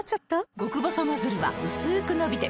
極細ノズルはうすく伸びて